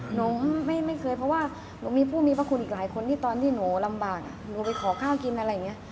หนูไม่เคยเพราะว่าหนูมีผู้มีพระคุณอีกหลายคนที่ตอนที่หนูลำบากหนูไปขอข้าวกินอะไรอย่างนี้